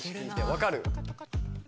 分かる？